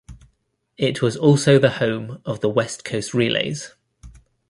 It was also the home of the West Coast Relays.